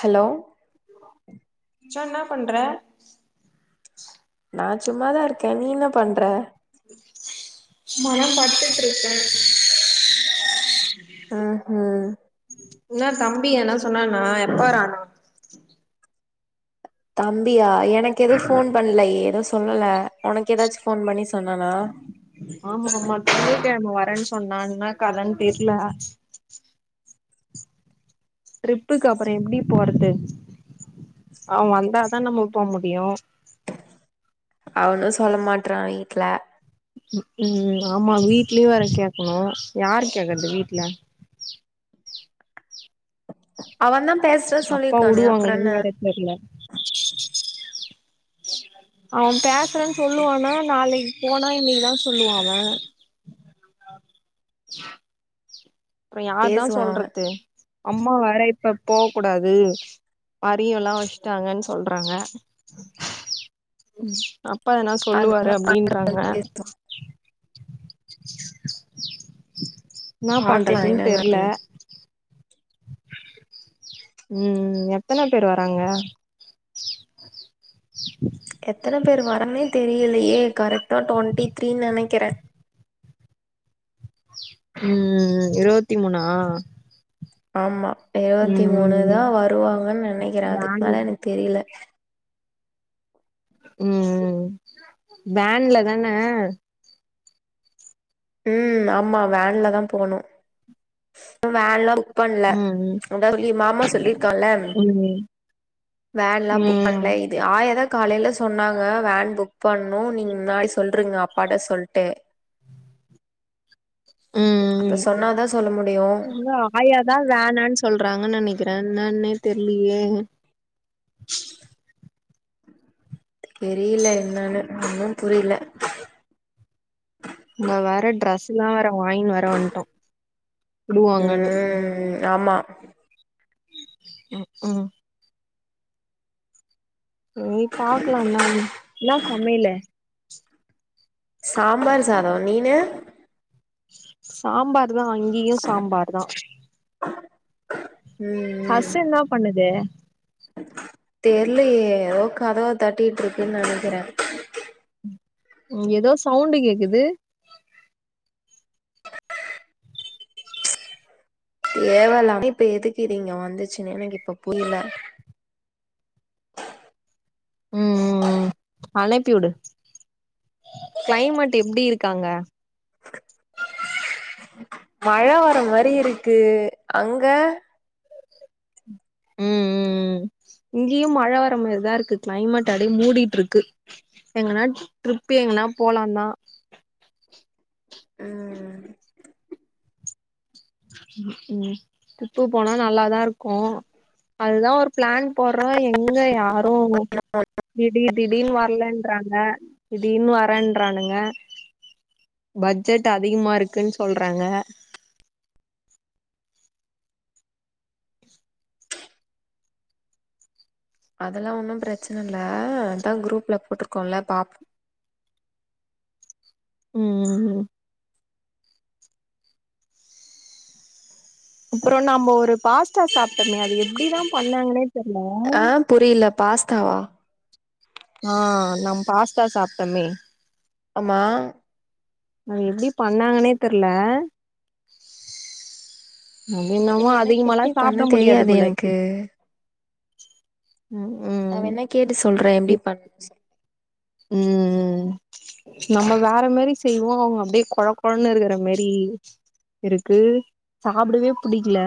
Hello மச்சா என்னா பண்ற நான் சும்மாதா இருக்கே நீ என்ன பண்ற சும்மாதா படுத்துட் இருக்கே ஆ ஹ என்ன தம்பி என்னா சொன்னானா எப்ப வரானா தம்பியா எனக்கு எது ஃபோன் பண்ல எது சொல்லல உனக்கு எதாச்சு ஃபோன் பண்ணி சொன்னானா ஆமா ஆமா சனிக்கிழம வரேன் சொன்னா என்னா கரண்ட் இல்ல ட்ரிப்புக்கு அப்பற எப்படி போறது அவன் வந்தாதா நம்ம போ முடியு அவனு சொல்ல மாட்றா வீட்ல ம் ஆமா வீட்லயு வேற கேக்கணு யாரு கேக்றது வீட்ல அவன்தா பேசுற அப்பா சொல்லிருக்கானே அப்பற என்ன வுடுவாங்களான்னு வேற தெர்ல அவன் பேசுறேன் சொல்லுவானா நாளைக்கு போனா இன்னைக்குதா சொல்லுவா அவன் அப்பற யார்தா பேசுவா அவ சொல்றது அம்மா வேற இப்ப போ கூடாது பரியல்லா வச்சுட்டாங்கன் சொல்றாங்க அப்பா எதனா சொல்லுவாரு அப்டின்றாங்க அது என்னா பாக்கலா பண்றதுன் என்ன தெர்ல நடக்குதுன்னு ம் எத்தன பேர் வராங்க எத்தன பேர் வரனே தெரியலையே கரெட்டா டொண்ட்டி த்ரீ ன் நெனைக்கிறே ம் ம் இருவத்தி மூணா ஆமா இருவத்தி மூணு ம் தா வருவாங்கன் நெனைக்கிறே அதுக்கு வேன் மேல எனக்கு தெரில ம் வேன்ல தான ம் ஆமா வேன்ல தா போனு வேன்லா பண்ல ம் அதாது எ மாமா சொல்லியிருக்கான்ல ம் வேன்லா புக் ம் பண்லை ஆயா தா காலைல சொன்னாங்க வேன் புக் பண்ணு நீங்க முன்னாடி சொல்றுங்க அப்பாட்ட சொல்ட்டு ம் அப்ப சொன்னாதா சொல்ல முடியு ஆயா தா வேணான் சொல்றாங்கன் நெனைக்கிறே என்னானே தெர்லியே தெரியல என்னன்னு ஒண்ணும் புரில ம்ம வேற ட்ரெஸ்ல்லா வேற வாய்ன்னு வேற வன்ட்டோ வுடுவாங்கன்னு ம் ஆமா ம் ம் ஏ பாக்லா என்னனு என்னா சமையலு சாம்பார் சாதோ நீனு சாம்பார் தா இங்கியு சாம்பார் தா ம் பசு என்ன பண்ணுது தெர்லயே எதோ கதவ தட்டிட்ருக்குன் நெனைக்கிறே ம் எதோ சவுண்டு கேக்குது தேவயில்லாம இப்ப எதுக்கு இது இங்க வந்துச்சுன்னே எனக்கு இப்ப புரில ம் ம் அனுப்பி வுடு க்ளைமேட் எப்டி இருக்கு அங்க மழ வர மாரி இருக்கு அங்க ம் ம் ம் இங்கியு மழ வர மார்தாருக்கு க்ளைமேட் அப்டே மூடிட்ருக்கு எங்கனா ட்ரிப்பு எங்கனா போலாந்தா ம் ம் ம் ட்ரிப்பு போனா நல்லாதாருக்கு அதுதா ஒரு ப்ளான் போட்றோ எங்க யாரு திடீ திடீன் வர்லன் ட்றாங்க திடீர்னு வரேன்றானுங்க பட்ஜெட் அதிகமா இருக்குன் சொல்றாங்க அதெல்லா ஒண்ணு பிரச்சன இல்ல அதா குரூப்ல போட்ருக்கோல பா ம் ஹும் அப்றோ நம்ப ஒரு பாஸ்ட்டா சாப்ட்டமே அது எப்டிதா பண்ணாங்னே தெர்ல ஆ புரில பாஸ்தாவா ஆ நம் பாஸ்தா சாப்ட்டமே ஆமா அது எப்டி பண்ணாங்கனே தெர்ல அது என்னமோ எனக்கு அதிகமாலா எப்டி பண்ண சாப்ட முடியாது தெரியாது போலருக்கு எனக்கு ம் நா உம் வேணா கேட்டு சொல்றே எப்டி பண்ணணுன் ம் ம் நம்ம வேற மாரி செய்வோ அவுங்க அப்டியே கொழ கொழன்னு இருக்ற மாரி இருக்கு சாப்டவே புடிக்ல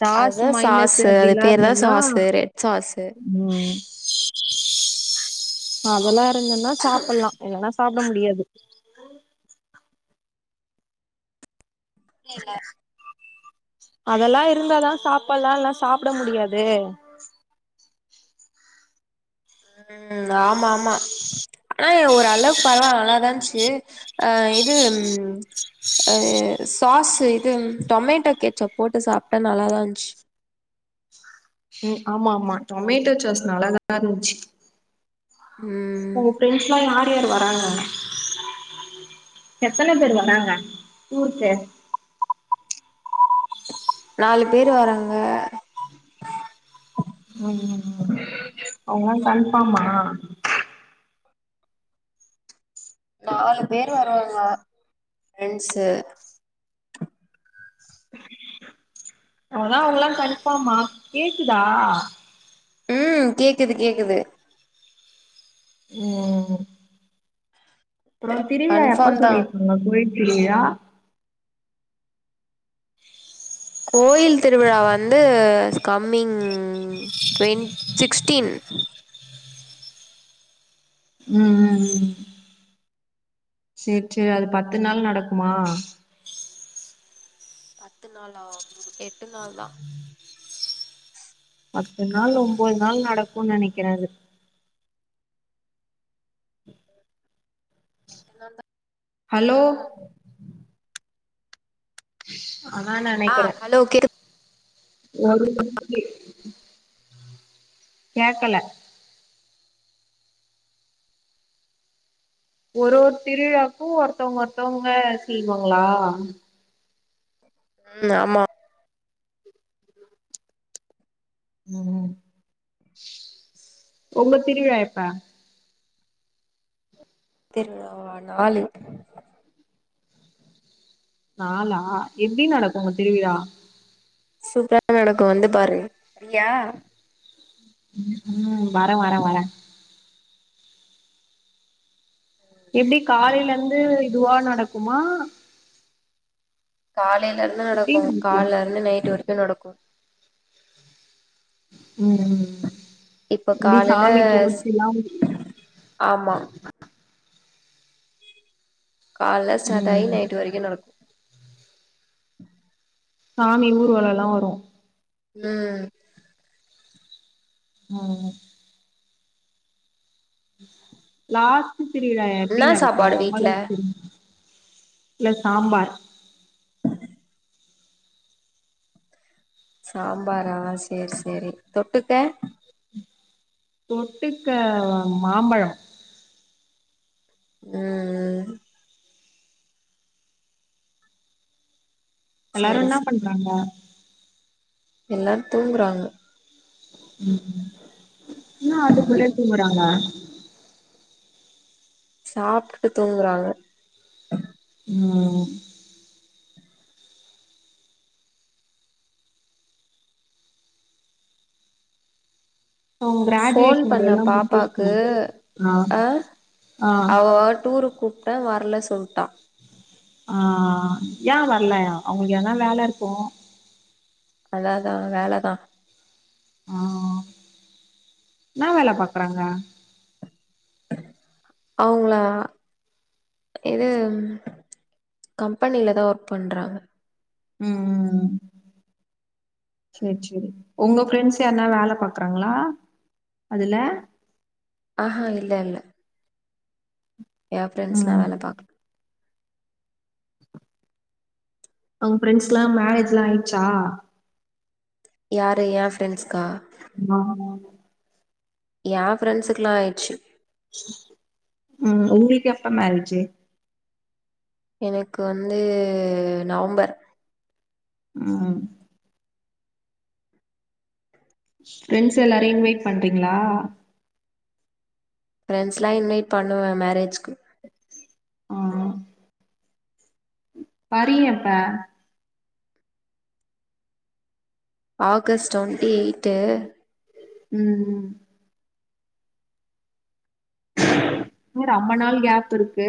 சாஸ்ஸு அதுதா மய்னஸ்ஸு சாஸு அது அப்டில்லா பேர் தா இருந்தன்னா சாஸு ரெட் சாஸு ம் அதெல்லாஇருந்தன்னா சாப்பு‌லா‌ இல்லன்னா சாப்ட முடியாது புரில அதெல்லா இருந்தாதா சாப்பட்லா இல்லனா சாப்ட முடியாது ம் ஆமாமா ஆனா ஒரு அளவுக்கு பரவால்ல நல்லாதான்ச்சு ஆ இதும் ஆ சாஸ்ஸு இது டொமேட்டோ கெச்சப் போட்டு சாப்ட்டா நல்லாதான்ச்சு ம் ஆமா ஆமா டொமேட்டோ சாஸ் நல்லாதா இருந்துச்சு ம் ஃப்ரெண்ட்ஸ்லா யார் யார் வராங்க எத்தன பேருவரங்க ஊர்க்கு நாலு பேர் வராங்க உம் அவுங்கலா கன்பாம்மா நாலு பேர் வருவாங்க ஃப்ரென்ஸு ஆனா அவுங்கல்லா கண்ஃபாமா கேக்குதா ம் கேக்குது கேக்குது ம் அப்ரோ திருவிழா எப்ப கன்ஃபார்ம் தா சொல்லிர் உங்க கோவில் திருவிழா கோயில் திருவிழா வந்து கம்மிங் ட்வென் சிக்ஸ்டீன் ம் ம் சேரி சேரி அது பத்து நாள் நடக்குமா பத்து நாளா எட்டு நாள்தா பத்து நாள் ஒம்போது நாள் நடக்குனு நினைக்கிறே அது ஹலோ ஆனா ஆ நனைக்கிறே ஹலோ கேக்கு ஒரு மணிக்கு கேக்கல ஒரு ஒரு திருவிழாக்கு ஒருத்தவங்க ஒருத்தவங்க செய்வாங்களா ம் ஆமா ம் உங்க திருவிழா எப்ப திரு நாலு நாலா எப்டி நடக்கு உங்க திருவிழா சூப்பரா நடக்கு வந்து பாரு ம் வரே வரே வரே எப்டி காலைல இருந்து இதுவா நடக்குமா காலைல இருந்து எப்டி நடக்கு நடக்கும் கால்லருந்து நைட்டு வரிக்கு நடக்கு ம் இப்ப எப்டி காலையில சாமி கும்ட்டியா ஆமா கால்ல ஸாட்டாயி ம் நைட்டு வரைக்கு நடக்கு சாமி ஊர்வலலா வரு ம் ம் லாஸ்ட் திருவிழா எப்டி என்னா நடக்கு சாப்பாடு அது வீட்ல மட்டு இல்ல சாம்பார் சாம்பாரா சேர் சேரி தொட்டுக்க தொட்டுக்க மாம்பழம் ம்ம் எல்லாரு சேரி என்ன சேரி பண்றாங்க எல்லாரு தூங்குறாங்க ம் என்ன அதுக்குள்ளே தூங்குறாங்க சாப்டுட்டு தூங்குறாங்க ம் உங்க ஃபோன் கிராஜுவேஷன் பண்ணே டேலா முடிஞ்சிருச்சு பாப்பாக்கு ஆ அ ஆ அவோ டூருக்கூப்ட்டா வர்ல சொல்ட்டா ஆ ஏன் வர்லயா அவுங்ளுக் எனா வேல இருக்கு அதா அதா வேலதா ஆ இனா வேல பாக்குறாங்க அவுங்ளா இது கம்பெனில தா ஒர்க் பண்றாங்க ம் சேர் சேரி ஒங்க ஃப்ரெண்ட்ஸ் யார்னா வேல பாக்றாங்ளா அதுல ஆஹா இல்ல இல்ல யா ஃப்ரெண்ஸ்லாம் ம் வேல பாக் ஒங்க ஃப்ரெண்ட்ஸ் எல்லா மேரஜ்லாம் ஆயிச்சா யாரு யா ஃப்ரெண்ட்ஸ்க்கா நோ நோ நோ யா ஃப்ரெண்ட்ஸுக்குலா ஆயிச்சு ம் ஒங்ளுக்கு எப்ப மேரேஜு எனக்கு வந்து நவொம்பர் ம் ஃப்ரெண்ஸ் எல்லாரையு இன்வைட் பண்றீங்ளா ஃப்ரெண்ட்ஸ்லா இன்வைட் பண்ணுவே மேரேஜ்க்கு ஆ பறி எப்ப ஆகஸ்ட் டுவெண்ட்டி எய்த்து ம் இன் ரொம்பநாள் கேப் இருக்கு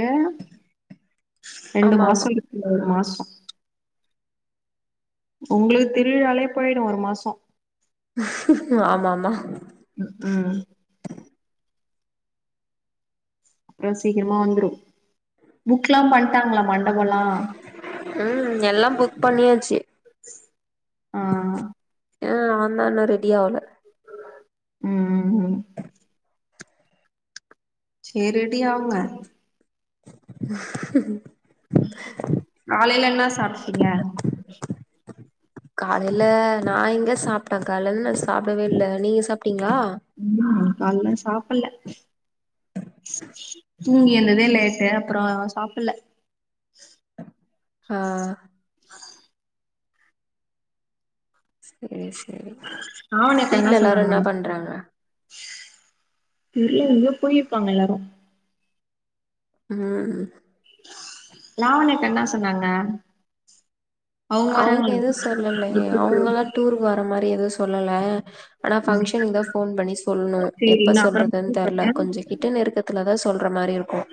ரெண்டு ஆமா மாசோ ஆமா இரு இல்ல ஒரு மாசோ ஒங்ளுக்கு திருவிழாலே போயிடு ஒரு மாசோ ஆமா ஆமா ம் ம் அப்றோ சீக்கிரமா வந்துரு புக்லா பண்ட்டாங்ளா மண்டபல்லா ம் எல்லா புக் பண்ணியாச்சு ஆ ஆ அவன் தான் இன்னும் ரெடி ஆவ்ல ம் உம் சேர் ரெடி ஆவுங்க [inaudible] [unintelligible] காலையில என்னா சாப்ட்டீங்க [inaudible] காலையில நா எங்க சாப்ட்ட கால்லேருந்து நா சாப்டவே இல்ல நீங்க சாப்ட்டீங்களா ம் கால்லே சாப்பில்ல தூங்கி எந்ததே லேட்டு அப்புறோ சாப்பில்ல ஆ [inaudible] சேர் சேரி அவனுக்கு என்ன வீட்ல எல்லாரு சொன்னாங்க பண்றாங்க தெர்ல எங்கயோ போயிருக்காங்க எல்லாரும் ம் லாவண்யாக்கு என்ன சொன்னாங்க அவுங்க வராங்களா எதுவும் சொல்லல ட்ரிப்புக்கு? அவுங்க எல்லா டூருக்கு வர மாரி எது சொல்லல ஆனா ம் ஃபங்க்ஷனுக்கு தா ஃபோன் பண்ணி சொல்லணும் சேரி எப்ப நா அப்றமா சொல்றதுன்னு தெர்ல கூப்பட்றே கொஞ்சொ கிட்ட நெருக்கத்துல தா சொல்ற மாரி இருக்கும்